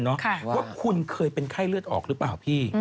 คุณก็คือเคยเป็นไข้เลือดออกหรือเปล่า